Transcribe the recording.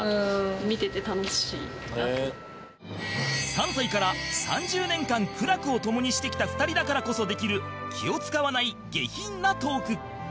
３歳から３０年間苦楽をともにしてきた２人だからこそできる気を使わない下品なトーク